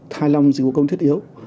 thai lòng dịch vụ công thiết yếu